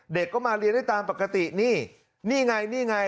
เด็กก็มาเรียนได้ตามปกตินี่นี่ไงนี่ไง